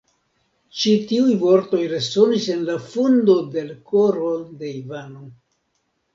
Ĉi tiuj vortoj resonis en la fundo de l' koro de Ivano.